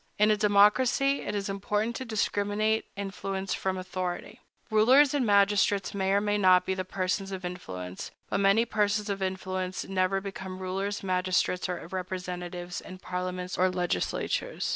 In a democracy, it is important to discriminate influence from authority. Rulers and magistrates may or may not be persons of influence; but many persons of influence never become rulers, magistrates, or representatives in parliaments or legislatures.